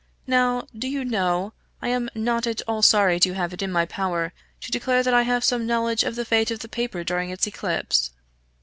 Now, do you know, I am not at all sorry to have it in my power to declare that I have some knowledge of the fate of that paper during its eclipse."